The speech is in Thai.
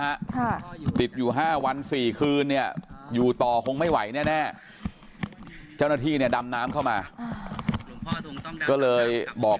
ฮะไปอยู่๕วัน๔คืนนี้อยู่ต่อคงไม่ไหวแน่เจ้าหน้าที่ในดำน้ำเข้ามาก็เลยบอก